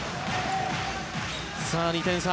さあ、２点差。